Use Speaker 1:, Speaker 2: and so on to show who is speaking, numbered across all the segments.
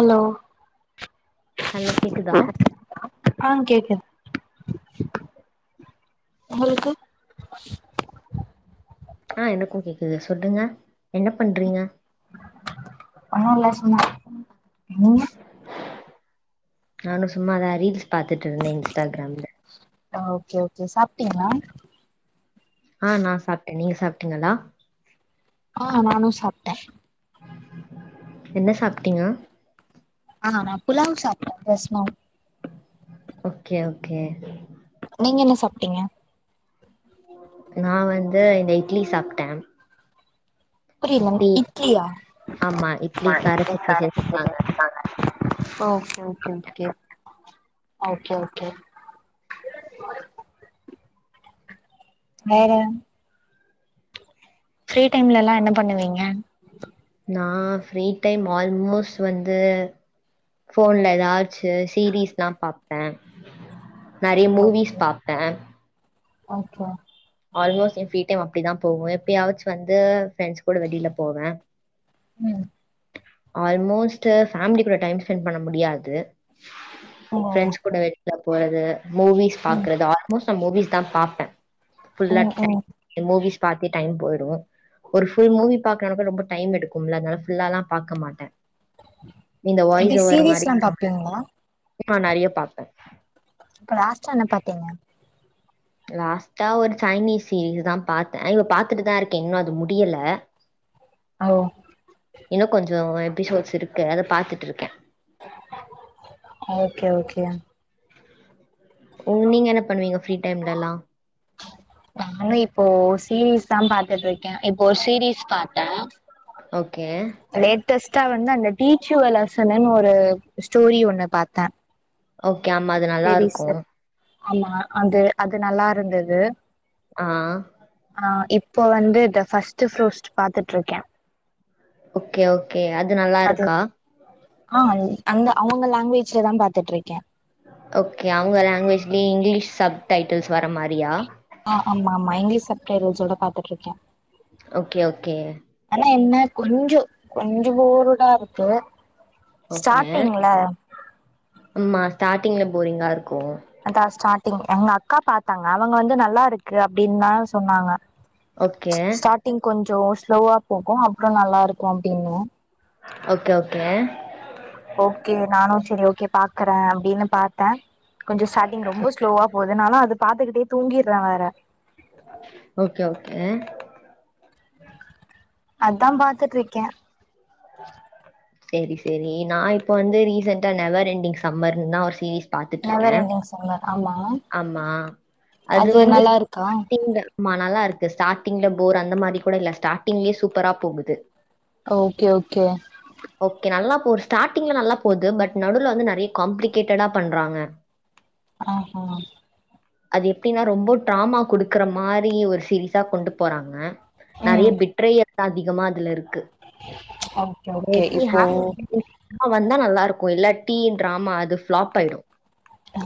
Speaker 1: Hello
Speaker 2: hello கேக்குதா
Speaker 1: ஆ கேக்குது உங்களுக்கு
Speaker 2: அ எனக்கு கேக்குது சொல்லுங்க என்ன பண்றீங்க
Speaker 1: பணல்லா சொன்னங்க ம்
Speaker 2: நானு சும்மாதா ரீல்ஸ் பாத்துட்டுருந்தே இன்ஸ்டாகிராம்ல
Speaker 1: ஓகே ஓகே சாப்ட்டீங்களா
Speaker 2: அ நா சாப்பிட்டே நீங்க சாப்டிங்களா
Speaker 1: ஆ நானு சாப்ட்டே
Speaker 2: என்ன சாப்டிங்க
Speaker 1: ஆ ந புலாவ் சாப்டே ரஸ்மா
Speaker 2: ஓகே ஓகே
Speaker 1: நீங்க என்ன சாப்டிங்க
Speaker 2: ஓகே நா வந்து இந்த இட்லி சாப்டே
Speaker 1: புரிலங்க இட்லியா
Speaker 2: ஆமா இட்லி
Speaker 1: [unintelligible]
Speaker 2: கார சட்னி செஞ்சிருந்தாங்க
Speaker 1: ஓகே ஓகே ஓகே ஓகே வேற பிரீ டைம்லல்லா என்ன பண்ணுவீங்க
Speaker 2: நா பிரீ டைம் ஆல்மோஸ்ட் வந்து போன்ல ஏதாது சீரீஸ்ல்லா பாப்பே நிறைய
Speaker 1: ஓகே
Speaker 2: மூவிஸ் பாப்பே
Speaker 1: ஓகே
Speaker 2: ஆல்மோஸ்ட் ஏ பிரீ டைம் அப்டிதா போவு எப்பயாவாச்சு வந்து பிரெண்ட்ஸ் கூட வெளில போவே
Speaker 1: ம்
Speaker 2: ஆல்மோஸ்டு பேமிலி கூட டைம் ஸ்பெண் பண்ண முடியாது
Speaker 1: ம்
Speaker 2: பிரெண்ட்ஸ் கூட வெளில போறது மூவிஸ்
Speaker 1: ம்
Speaker 2: பாக்கறது ஆல்மோஸ்ட் மூவிஸ் தா பாப்பே புல்லா
Speaker 1: ம்
Speaker 2: டை
Speaker 1: ம்
Speaker 2: மூவிஸ் பாத்தே டைம் போயிரு ஒரு புல் மூவி பாக்றப்ப ரொம்ப டைம் எடுக்கும்லங்க புல்லல்லா பாக்க மாட்டே இந்த வாய்ஸ்
Speaker 1: எப்டி
Speaker 2: ஓவர் மாரி
Speaker 1: சீரீஸ்லா
Speaker 2: வரும்ல
Speaker 1: பாப்பீங்களா
Speaker 2: நா நிறைய பாப்பே
Speaker 1: இப்ப லாஸ்ட என்ன பாத்தீங்க
Speaker 2: லாஸ்ட்டா ஒரு சைனீஸ் சீரீஸ் தா பாத்தே இவ பாத்துட்டுதா இருக்கே இன்னு அது முடியல [unintelligible]
Speaker 1: ஒ
Speaker 2: இன்னு கொஞ்சோ எபிசோட்ஸ் இருக்கு அத பாத்துட்டு இருக்கே
Speaker 1: ஓகே ஓகே
Speaker 2: ம் நீங்க என்ன பண்ணுவீங்க பிரீ டைம்லல்லா
Speaker 1: நானு இப்போ சீரீஸ்தா பாத்துட்டு இருக்கே இப்போ சீரீஸ் பாத்தே
Speaker 2: ஓகே.
Speaker 1: லேட்டஸ்டா வந்து அந்த டீச்சுவல அசனேனு ஒரு ஸ்டோரி ஒண்ணு பாத்தே
Speaker 2: ஓகே ஆமா அது நல்லா இருக்கு
Speaker 1: லீமா அது அது நல்லா இருந்தது
Speaker 2: ஆஹ்
Speaker 1: ஆ இப்போ வந்து இந்த பஸ்ட்டு பூருஸ்டு பாத்துட்டு இருக்கே
Speaker 2: ஓகே ஓகே அது நல்லா இருக்கா
Speaker 1: ஆ அந்த அவங்க லாங்குவேஜ்ல தா பாத்துட்டு இருக்கே
Speaker 2: ஓகே அவங்க லாங்குவேஜ்லியு இங்லீஷ் சப் டைட்டில்ஸ் வர்ற மாரியா
Speaker 1: அ ஆமா ஆமா இங்கிலீஷ் சப் டைடில்ஸோட பாத்துட்டு இருக்கே
Speaker 2: ஓகே ஓகே
Speaker 1: ஆனா என்ன கொஞ்சோ கொஞ்சோ போருடா இருக்கு
Speaker 2: ஓகே
Speaker 1: ஸ்டார்டிங்ல
Speaker 2: அம்மா ஸ்டாடிங்ல போரிங்கா இருக்கு
Speaker 1: அதா ஸ்டாட்டிங் எங்கக்கா பாத்தாங்க அவங்க வந்து நல்லாருக்கு அப்டின்தா சொன்னாங்க
Speaker 2: ஓகே
Speaker 1: தோ ஸ்லோவா போகு அப்றோ நல்லாருக்கு அப்டினு
Speaker 2: ஒகே ஓகே
Speaker 1: கே பாக்கறோ அப்டின்னு பாத்த கொஞ்ச ஸ்டாட்டிங் ரொம்ப ஸ்லோவா போது எனால அது பாத்துகிட்டே தூங்கிடுறே வேற
Speaker 2: ஓகே ஓகே
Speaker 1: அதா பாத்துட்ருக்கே
Speaker 2: செரி செரி நா இப்ப வந்து ரீசன்ட்டா நெவர் என்டிங் சம்மர்ன் தா ஒரு சீரிஸ் பாத்துட்ருக்க
Speaker 1: நெவர் எண்டிங் சம்மர் ஆமா
Speaker 2: ஆமா அது வந்து
Speaker 1: நல்லா இருக்கா
Speaker 2: தின்டல் மா நல்லாருக் த ஸ்டாட்டிங்ல போர் அந்த மாரி கோட இல்ல ஸ்டாட்டிங்லயே சூப்பரா போகுது
Speaker 1: ஓகே ஓகே
Speaker 2: ஒரு ஸ்டாட்டிங்ல நல்லா போது பட் நடுல வந்து நறையா காம்ப்ளிகேட்டடா பண்றாங்க
Speaker 1: ஆஹ
Speaker 2: அது எப்டினா ரொம்ப டாமா குடுக்கற மாரி ஒரு சீரிஸா கொண்டு போறாங்க நறைய
Speaker 1: ம்
Speaker 2: பிட்ரயல்லா அதிகமா அதுல இருக்கு
Speaker 1: ஓகே ஓகே
Speaker 2: லெட் மி
Speaker 1: இப்போ
Speaker 2: ஹேப் ஆ வந்தா நல்லாருக்கு இல்லாட்டி டிராமா அது ஃப்ளாப் ஆயிடு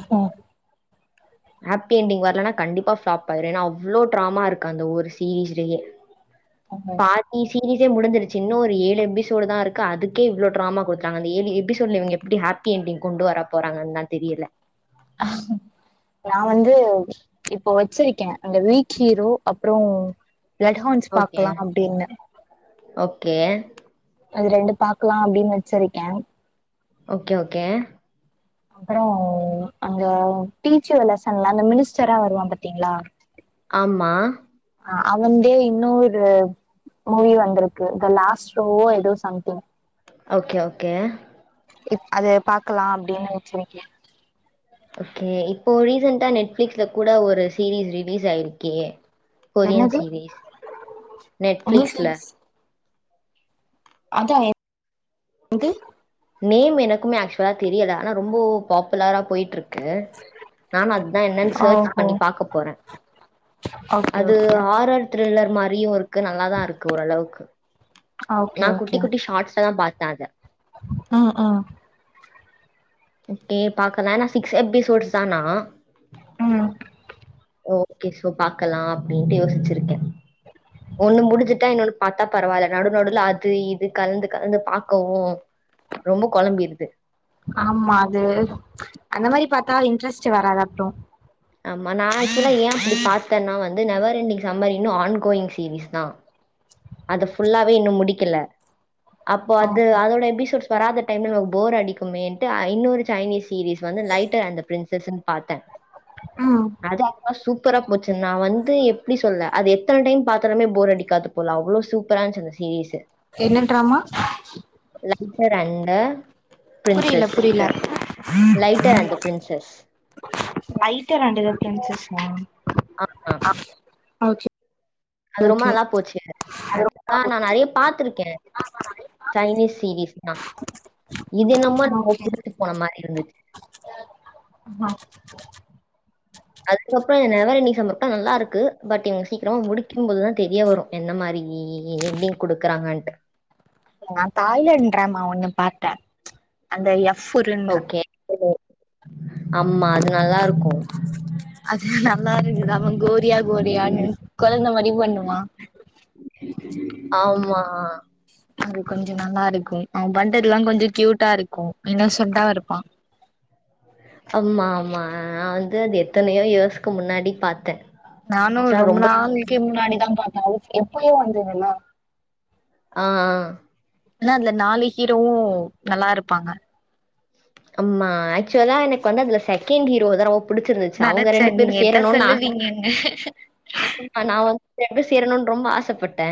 Speaker 1: ஹ
Speaker 2: ஹேப்பி என்டிங் வரலனா கண்டிப்பா ஃப்ளாப் ஆயிரு ஏனா அவ்ளோ ட்ராமா இருக்கு அந்த ஒரு சீரிஸ்லயே
Speaker 1: ம்
Speaker 2: பாதி சீரீஸே முடிஞ்சுருச்சு இன்னு ஒரு ஏ எபிசோடு தா இருக்கு அதுக்கே இவ்ளோ ட்ராமா குடுத்துட்டாங்க அந்த ஏழு எபிசோடுல இவுங்க எப்பிடி ஹேப்பி என்டிங் கொண்டு வர போறாங்கன் தா தெரியல
Speaker 1: நா வந்து இப்போ வச்சிருக்கே அந்த வீக் ஹீரோ அப்றொ எட்ஹோன்ஸ் பாக்லா அப்டினு
Speaker 2: கே
Speaker 1: அது ரண்டு பாக்லா அப்டினு வச்சுருக்கே
Speaker 2: ஓகே ஓகே
Speaker 1: அப்பற அங்க டீச் எ லெசன்ல அந்த மினிஸ்டரா வருவா பாத்திங்ளா
Speaker 2: அம்மா
Speaker 1: ஆ அவந்தே இன்னோரு மூவி வந்ருக்கு த லாஸ்ட் ரோவோ எதோ சம்திங்
Speaker 2: ஓகே ஓகே
Speaker 1: அத பாக்கலா அப்டினு வச்சுருக்கே
Speaker 2: ஓகே இப்போ ரீசன்ட்டா நெட்ஃபிளிக்ஸ்ல கூட ஒரு சீரிஸ் ரிலீஸ் ஆயிருக்கே கொரியன்
Speaker 1: என்னது
Speaker 2: சீரிஸ் நெட்ஃப்ளிக்ஸ்ல
Speaker 1: அதா எ எது
Speaker 2: நேம் எனக்குமே ஆக்சுவலா தெரியல ஆனா ரொம்போ பாப்புலரா போயிட்ருக் கு நானு அதா என்னன் சர்ச்
Speaker 1: ஓஹோ
Speaker 2: பண்ணி பாக்க போற
Speaker 1: ஓகே
Speaker 2: அது
Speaker 1: ஓகே
Speaker 2: ஆரர் த்ரில்லர் மாரியு இருக்கு நல்லாதா இருக்கு ஓரளவுக்கு நா குட்டி குட்டி ஷாட்ஸ்லதா பாத்த அத
Speaker 1: அ அ
Speaker 2: ஒகே பாக்லானா சிக்ஸ் எபிசோட்ஸ் தானா
Speaker 1: ம்
Speaker 2: ஓகே சோ பாக்கலா அப்டின்ட்டு யோசிச்சிருக்கே ஒண்ணு முடிஞ்சுட்டா இன்னொனு பாத்தா பரவால்ல நடு நடுல அது இது கலந்து கலந்து பாக்கவு ரொம்ப கொழம்பிடுது
Speaker 1: ஆமா அது அந்த மாரி பாத்தா இன்ட்ரெஸ்ட் வராது அப்ரோ
Speaker 2: ஆமா நா ஆக்சுவலா ஏ அப்டி பாத்தேன்னா வந்து நெவர் இண்டி் சம்மர் இன்னு ஆன் கோயிங் சீரிஸ் தா அது ஃபுல்லாவே இன்னு முடிக்கல அப்போ அது அதோட எபிசோட்ஸ் வராதடைம்ல நமக்கு அடிக்குமேன்ட்டு ஐநூறு சைனீஸ் சீஸ் வந்து லைட்டர் அண்ட் பிரின்சஸ்ன்னு பாத்த
Speaker 1: ம்
Speaker 2: அதான் அப்ப சூப்பரா போச்சு நான் வந் அது எப்டி சொல்ல அது எத்தன டைம் பாத்தலுமே போர் அடிக்காது போல அவ்ளோ சூப்பரா இருந்துச்சி அந்த சீரிஸ்ஸு
Speaker 1: என்ன ட்ராமா
Speaker 2: இப்ப ரெண்டு
Speaker 1: புரில புரில
Speaker 2: லைட்டர் அண்ட் த பிரின்சஸ்
Speaker 1: ஐட்ட ரெண்டு ரெஃபேரன்சஸ் மா
Speaker 2: ஆ ஆ
Speaker 1: ஓகே
Speaker 2: அது ரொம்ப
Speaker 1: ஓகே
Speaker 2: நல்லா போச்சு ஆக்சுவலா நா நெறைய பாத்திருக்கே சைனீஸ் சீரீஸ்னா இது என்னமா நம்ம
Speaker 1: ஓகே
Speaker 2: குடுச்சு போன மாரி இருந்துச்சு
Speaker 1: ஆ
Speaker 2: அதுக்கப்புற நவரண்ணிஸ் நல்லாருக்கு பட் இவங் சீக்கிரமா முடிக்கு போதுதா தெரிய வரு என்ன மாரி எ எ எ என்னிக் குடுக்குறாங்கன்ட்டு
Speaker 1: நான் தாய்லன்றமவ ஒண்ணு பாத்த அந்த எஃப்ருன்னு
Speaker 2: ஓகே. ஆமா அது நல்லாருக்கு
Speaker 1: அது நல்லாருக்கு ஆனா கோரியா கோரியன்னு கொழந்த மாரி பண்ணுவா
Speaker 2: ஆமா
Speaker 1: அது கொஞ்ச நல்லாருக்கு அவன் பண்றதுல்லா கொஞ்ச கியூட்டாருக்கு இன்னசென்ட்டா இருப்பா
Speaker 2: ஆமா ஆமா நா வந்து அது எத்தனையோ இயர்ஸ்க்கு முன்னாடி பாத்த
Speaker 1: நானும் ரொம்ப நாளைக்கே முன்னாடிதா பாத்த எப்பயோ வந்தது இதல்லா
Speaker 2: ஆ ஆ
Speaker 1: ஆனா அதுல நாலு ஹீரோவு நல்லா இருப்பாங்க
Speaker 2: அமா ஆக்சுவலா எனக்கு வந்து அதுல செகண்ட் ஹீரோ தா ரொம் புடிச்சிருந்துச்சு அவுங்க
Speaker 1: நெனச்சே
Speaker 2: ரெண்டு
Speaker 1: நீங்க
Speaker 2: பேரும்
Speaker 1: எதா
Speaker 2: சேரணுன்னு ஆச
Speaker 1: சொல்லுவீங்கன்னு
Speaker 2: ந வ எப்டியாது சேரணுன்னு ரொம்ப ஆசைப்பட்ட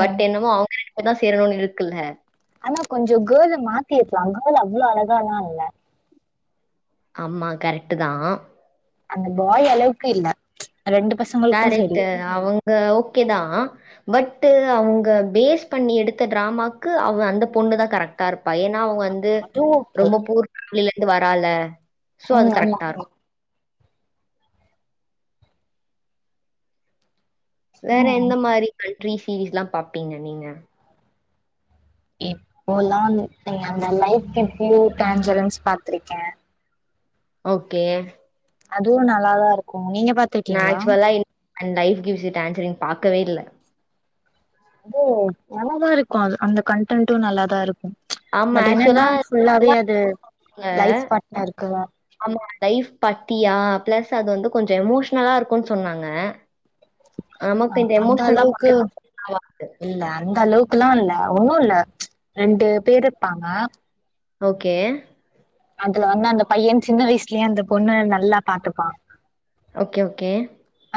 Speaker 2: பட் என்னமோ அவுங்க ரெண்டு பேர் தா சேரணுன்னு இருக்குல்ல
Speaker 1: ஆனா கொஞ்ச கேல் மாத்தி இருக்கலாம கேல் அவ்ளோ அழகாலா இல்ல
Speaker 2: ஆமா கரெக்ட்டு தா
Speaker 1: அந்த பாய் அளவுக்கு இல்ல ரெண்டு பசங்களுக்கு செரி
Speaker 2: கரெக்ட்டு அவுங்க ஓகே தா பட் அவுங்க பேஸ் பண்ணி எடுத்த டிராமாக்கு அவ அந்த பொண்ணு தான் கரெக்டா இருக் பையனா அவங்க வந்து
Speaker 1: அது ஓகே
Speaker 2: ரொம்ப பூர்விலேருந்து வரால சோ அது
Speaker 1: ம் ஆமா
Speaker 2: கரெக்ட்டா
Speaker 1: ஆமா
Speaker 2: இருக்கும். வேற எந்த
Speaker 1: ம்
Speaker 2: மாரி கண்ட்ரி சீரீஸ்ல்லா பாப்பீங்க நீங்க
Speaker 1: இப்போல்லா வந்து அந்த லைட்டு பியு டேன்ஞ்ரஸ் பாத்துருக்கே
Speaker 2: ஓகே
Speaker 1: அதுவு நல்லாதா இருக்கு நீங்க
Speaker 2: நான்
Speaker 1: பாத்துருக்கிங்களா
Speaker 2: ஆக்சுவலா அண்ட் லைஃப் கிவஸ் டான்ஸரிங் பாக்கவே இல்ல
Speaker 1: அது நல்லாதா இருக்கு அந்த கன்டன்ட்டு நல்லாதா இருக்கு பட் என்னன்னா ஃபுல்லாவே அது
Speaker 2: ல
Speaker 1: லைஃப் பார்ட்னருக்கு
Speaker 2: ஆமா லைப் பத்தியா பிளஸ் அது வந்து கொஞ்ச எமோஷனல்லா இருக்குன் சொன்னாங்க நமக்கு இந்த
Speaker 1: அந்த
Speaker 2: எமோஷனலா
Speaker 1: அளவுக்கு
Speaker 2: பாக்குறது
Speaker 1: இல்ல அந்த அளவு க்குலா இல்ல ஒண்ணுல்ல ரெண்டு பேர் ப்பாங்க
Speaker 2: ஓகே
Speaker 1: அதுல வந்து அந்த பையன் சின்ன வயசுலயே அந்த பொண்ண நல்லா பாத்துப்பா
Speaker 2: ஓகே ஓகே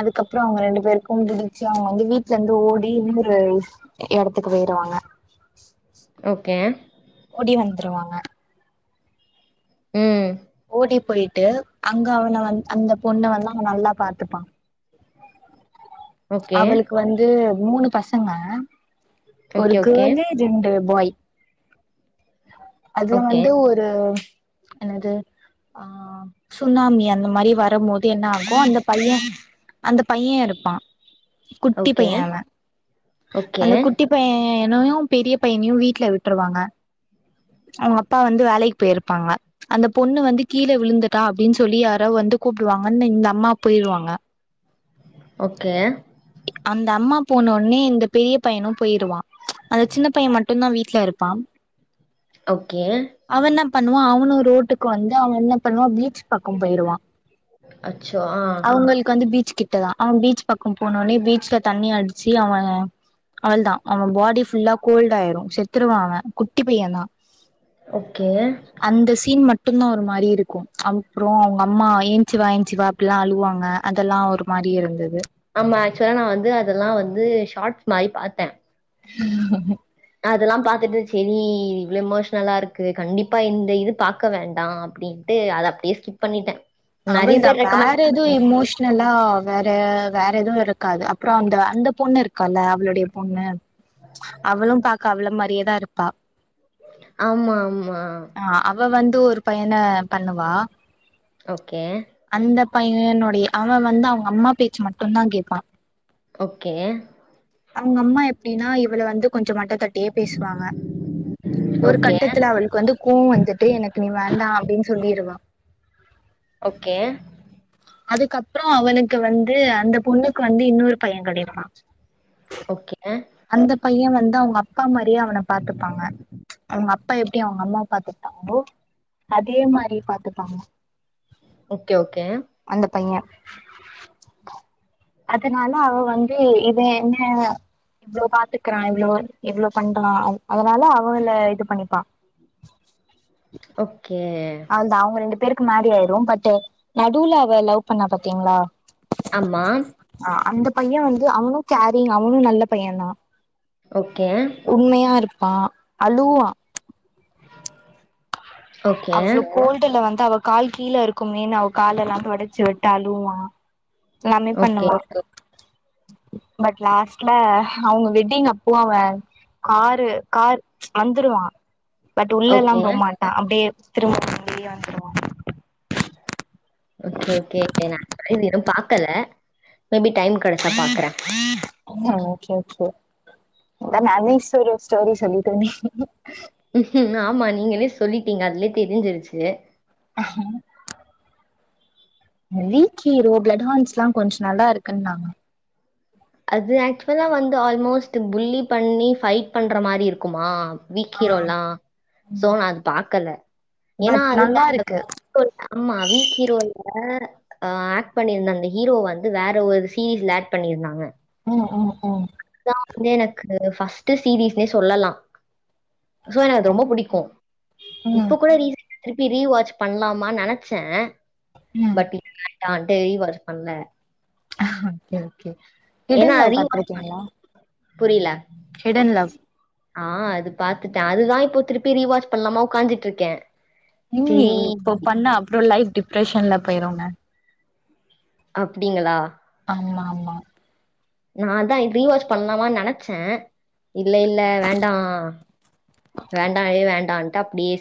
Speaker 1: அதுக்கப்புறோ அவங்க ரெண்டு பேருக்கும் பிடிச்சு அவங்க வந்து வீட்ல இருந்து ஓடி இன்னோரு எடத்துக்கு போய்ருவாங்க.
Speaker 2: ஓகே
Speaker 1: கே வந்துருவாங்க.
Speaker 2: ம்
Speaker 1: ஓடி போயிட்டு அங்க அவன வந் அந்த பொண்ணு வந்து அவன் நல்லா பாத்துப்பான்
Speaker 2: ஓகே.
Speaker 1: அவளுக்கு வந்து மூணு பசங்க ஒரு
Speaker 2: ஓகே, ஓகே.
Speaker 1: கேர்ளு ரெண்டு பாய் அதுல
Speaker 2: ஓகே.
Speaker 1: வந்து ஒரு என்னது ஆ சுனாமி அந்த மாரி வரம் போது என்ன ஆகு அந்த பைய அந்த பைய இருப்பா குட்டி
Speaker 2: ஓகே.
Speaker 1: பைய அவ
Speaker 2: ஓகே.
Speaker 1: அந்த குட்டி பைய்ய னோயு பெரிய பையனயு வீட்ல விட்டுருவாங்க. அவங்க அப்பா வந்து வேலைக்கு போயிருப்பாங்க அந்த பொண்ணு வந்து கீழே விழுந்துட்டா அப்டின் சொல்லி யாரோ வந் ந்து கூப்பிடுவாங்கன்னு இந்த அம்மா போய்டுவாங்க.
Speaker 2: ஓகே
Speaker 1: அந்த அம்மா போனோனே இந்த பெரிய பையனும் போயிருவா அந்த சின்ன பைய மட் மட்டுந்தா வீட்ல இருப்பா
Speaker 2: ஓகே
Speaker 1: பண்ணுவா அவனு ரோட்டுக்கு வந்து அவன் என்ன பண்ணுவான் பீச் பக்கம் போயிருவா
Speaker 2: அச்சொ ஆ
Speaker 1: கிட்டதா அவன் பீச் பக்கம் போனோனே பீச்ல தண்ணி அடிச்சு அவெ அவள்தா அவன் பாடி ஃபுல்லா கோல்ட் ஆயிரு செத்துருவா அவன் குட்டி பையன்தா
Speaker 2: ஓகே.
Speaker 1: அந்த சீன் மட் டுந்தா ஒரு மாரி இருக்கும் அப்புறொ அவுங்க அம்மா எஞ்சி வா எஞ்சி வா அப்பிலா அழுவாங்க அதெல்லா ஒரு மார் ரி இருந்துது
Speaker 2: ஆமா ஆக்சுவலா நா வந்து அதெல்லா வந்து ஷார்ட்ஸ் மாரி பாத்த அதெல்லா பாத்துட்டு சரி இவ்ளோ எமோஷனலா இருக்கு கண்டிப்பா இந்த இது பாக்க வேண்டா அப்டின்ட்டு அத அப்டியே ஸ்கிப் பண்ணிட்டே
Speaker 1: அவள்தா வேற எதுவு எமோஷ்னலா வேற வேற எதுவு இருக்காது அப்றொ அந்த அந்த பொண்ணு இருக்கால அவளுடைய பொண்ணு அவளும் பாக்க அவள மாரியேதா இருப்பா
Speaker 2: ஆமா ஆமா
Speaker 1: து ஒரு பையன பண்ணுவா
Speaker 2: ஓகே
Speaker 1: அந்த பையனுடைய அவன் வந்து அவங்க அம்மா பேச்சு மட்டுந்தா கேப்பா
Speaker 2: ஓகே
Speaker 1: அவங்க அம்மா எப்டின்னா இவள வந்து கொஞ்சொ மட்டத்தட்டியே பேசுவாங்க. ஒரு
Speaker 2: ஓகே.
Speaker 1: கட்டத்துல அவளுக்கு வந்து கோவொ வந்துட்டு எனக்கு நீ வேண்டா அப்டின் சொல்லிருவா.
Speaker 2: ஓகே
Speaker 1: அதுக்கப்புறோ அவனுக்கு வந்து அந்த பொண்ணுக்கு வந்து இன்னொரு பைய கெடைப்பா
Speaker 2: ஓகே.
Speaker 1: அந்த பைய வந்து அவங்க அப்பா மாரியே அவன பாத்துப்பாங்க அவங்க அப் பா எப்டி அவங்க அம்மாவ பாத்துக்ட்டாங்களோ அதே மாரி பாத்துப்பாங்க.
Speaker 2: ஓகே ஓகே
Speaker 1: அந்த பைய அதுனால அவ வந்து இது என்ன இவ்ளோ பாத்துக்கறா இவ்ளோ எவ்வளோ பண்றான் அது அதனால அவள இது பண்ணிப்பா
Speaker 2: ஓக்
Speaker 1: அதுதா அவங்க ரெண்டு பேருக்கு மேரி ஆயிரு பட் நடுல அவ லவ் பண்ணா பத்தீங்ளா
Speaker 2: ஆமா
Speaker 1: பைய வந்து அவனு கேரிங் அவனு நல்ல பைய தா
Speaker 2: ஓகே
Speaker 1: ஆ அழுவா
Speaker 2: ஓகே.
Speaker 1: அவ சொல்லுவா கோல்டுல வந் து அவ கால் கீழ இருக்குமேன்னு அவ காலலா தொடச்சி விட்டு அழுவுவா எல்லாமே
Speaker 2: ஓகே.
Speaker 1: பண்ணுவா பட் லாஸ்ட்ல அவங்க வெட்டிங் அப்போ அவ காரு கார் வந்துருவா பட் உள்ளலா
Speaker 2: ஓகே.
Speaker 1: போமாட்டா அப்டே திருப்பவு வெளிய வந்துருவா
Speaker 2: ஓகே ஓகே நா இது எதுவு பக்கல மே பி டைம் கெடசா பாக்ற
Speaker 1: ம் ஒகே ஒகே நா நவி சிரியஸ் ஸ்டோரி சொல்லிட்டுருந்தே
Speaker 2: ம்ஹூம் ஆமா நீங்களே சொல்லிட்டீங்க அதுலே தெரிஞ்சிருச்சு
Speaker 1: வீக் ஹீரோ, ப்ளட் ஹார்ன்ஸ்லா கொஞ்சோ நல்லாருக்குன்னாங்க
Speaker 2: அது ஆக்சுவலா வந்து ஆல்மோஸ்ட் புல்லி பண்ணி ஃபைட் பண்ற மாரி இருக்குமா
Speaker 1: ஆ
Speaker 2: வீக்கி ரோல்லா சோ நா அது பாக்கல ஏன்னா
Speaker 1: பட்
Speaker 2: அதுல
Speaker 1: நல்லா
Speaker 2: இந்த
Speaker 1: இருக்கு
Speaker 2: ரோல்ல ஆமா வீக்கிரோல்ல ஆ ஆக்ட் பண்ணியிருந்தா அந்த ஹீரோ வந்து வேற ஒரு சீரீஸ்ல ஆக்ட் பண்ணிருந்தாங்க
Speaker 1: ம் ம் ம்
Speaker 2: இது எனக்கு ஃபஸ்ட்டு சீரீஸ்னே சொல்லலா சோ எனக்கு ரொம்போ புடிக்கு
Speaker 1: ம்
Speaker 2: இப்ப கூட ரீசண்டா திருப்பி ரீவாச் பண்ணலாமானு நெனைச்ச
Speaker 1: ம்
Speaker 2: நா வன்ட்டு ரீவாச் பண்ல
Speaker 1: okay okay hidden love
Speaker 2: rewatch
Speaker 1: பாத்திருக்கீங்களா
Speaker 2: புரியல.
Speaker 1: ஹிடன் லவ்
Speaker 2: ஆ அது பாத்துட்ட அதுதா இப்போ திருப்பி ரீவாச் பண்ணலாமா உட்காந்திட்ருக்கே
Speaker 1: இனிமே இப்ப பண்ண அப்றோ லைஃப் டிப்ரஷன்ல போயிருங்க
Speaker 2: அப்டிங்களா
Speaker 1: ஆமா ஆமா
Speaker 2: நா அதா ரீவாச் பண்ணலாமானு நெனச்ச இல்ல இல்ல வேண்டா வேண்டாவே வேண்டான்ட்டு அப்டியே